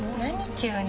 急に。